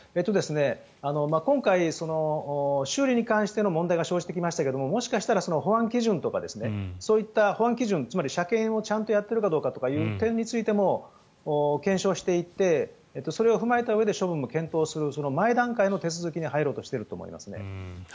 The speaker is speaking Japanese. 今回、修理に関しての問題が生じてきましたがもしかしたら保安基準とかそういった保安基準つまり車検をちゃんとやっているかどうかという点についても検証していってそれを踏まえたうえで処分を検討するその前段階の手続きに入ろうとしていると思いますね。